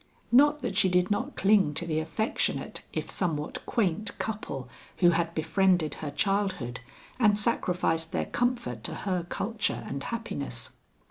Not that she did not cling to the affectionate if somewhat quaint couple who had befriended her childhood and sacrificed their comfort to her culture and happiness.